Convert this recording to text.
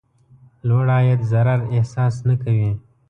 لوړ عاید ضرر احساس نه کوي.